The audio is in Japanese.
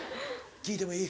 聞いてもいい？